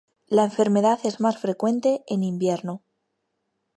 La enfermedad es más frecuente en invierno.